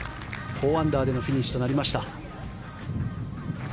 ４アンダーでのフィニッシュとなりました。